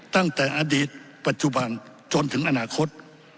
ตั้งแต่อดีตปัจจุบันจนถึงอนาคต